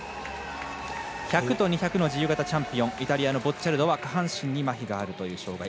１００と２００の自由形チャンピオンイタリアのボッチャルドは下半身にまひがあるという障がい。